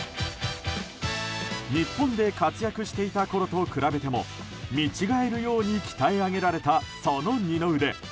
日本で活躍していたころと比べても見違えるように鍛え上げられたその二の腕。